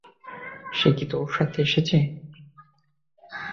সে কি তোর সাথে এসেছে?